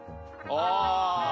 ああ。